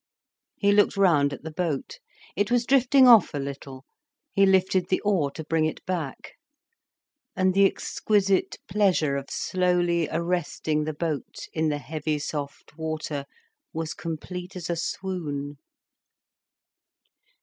He looked round at the boat. It was drifting off a little. He lifted the oar to bring it back. And the exquisite pleasure of slowly arresting the boat, in the heavy soft water, was complete as a swoon.